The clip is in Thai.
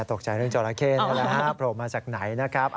ตกใจเรื่องเจาระเข้นะครับโผล่มาจากไหนนะครับ